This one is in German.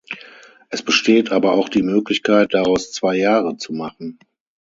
Es besteht aber auch die Möglichkeit, daraus zwei Jahre zu machen.